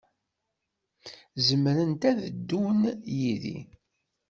Zemrent ad ddun yid-i.